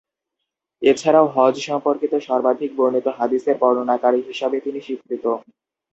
এছাড়াও হজ সম্পর্কিত সর্বাধিক বর্ণিত হাদিসের বর্ণনাকারী হিসাবে তিনি স্বীকৃত।